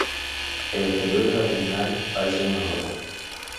El exterior de la terminal parecen unas olas.